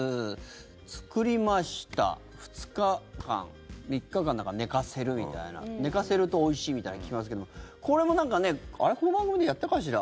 ２日間、３日間だか寝かせるみたいな寝かせるとおいしいみたいな聞きますけどもこれもなんかねあれ、この番組でやったかしら。